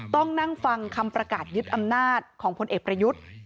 ต้องนั่งฟังคำประกาศยึดอำนาจของพลเอกประยุทธ์